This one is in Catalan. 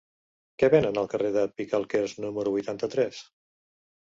Què venen al carrer de Picalquers número vuitanta-tres?